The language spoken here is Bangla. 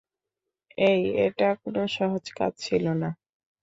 এই, এটা কোনো সহজ কাজ ছিল না।